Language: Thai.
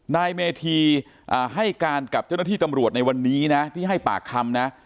นายเมธีให้การกับเจ้าหน้าที่ตำรวจในวันนี้นะที่ให้ปากคำนะ